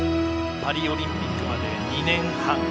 パリオリンピックまで２年半。